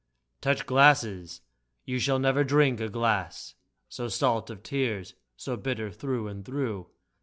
Touch glasses ! Tou shall never drink a glass So salt of tears, so bitter through and through.